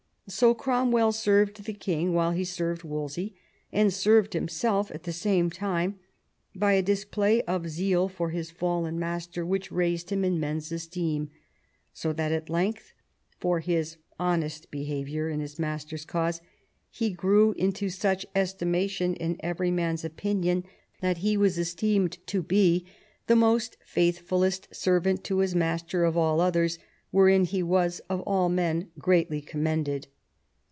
So Cromwell served the king while he served Wolsey, and served himself at the same time by a dis play of zeal for his fallen master which raised him in men's esteem, "so that at length, for his honest behaviour in his master's cause, he grew into such estimation in every man's opinion, that he was esteemed to be the 192 THOMAS WOLSEY chap. most faithfullest servant to his master of all others, wherein he was of all men greatly commended."